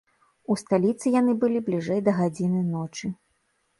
У сталіцы яны былі бліжэй да гадзіны ночы.